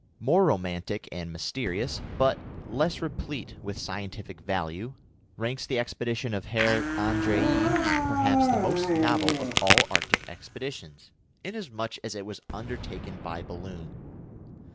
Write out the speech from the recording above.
More romantic and mysterious, but less replete with scientific value, ranks the expedition of Herr Andrée, perhaps the most novel of all Arctic expeditions, inasmuch as it was undertaken by balloon.